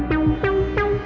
mau gak kau